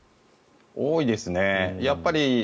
多いですね。